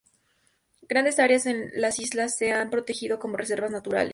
Grandes áreas de las islas se han protegido como reservas naturales.